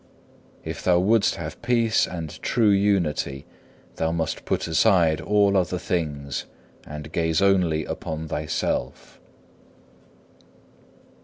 If thou wouldst have peace and true unity, thou must put aside all other things, and gaze only upon thyself.